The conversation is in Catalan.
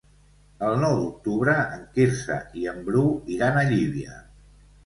El nou d'octubre en Quirze i en Bru iran a Llívia.